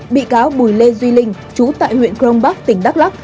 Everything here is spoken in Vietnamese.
bị cáo bùi lê duy linh chú tại huyện crong bắc tỉnh đắk lắc